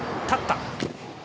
立った。